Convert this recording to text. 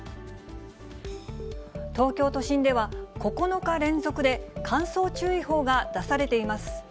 東京都心では、９日連続で乾燥注意報が出されています。